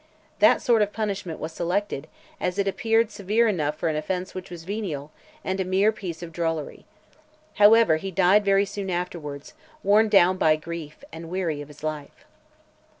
That (538) sort of punishment was selected, as it appeared severe enough for an offence which was venial, and a mere piece of drollery. However, he died very soon afterwards, worn down by grief, and weary of his life.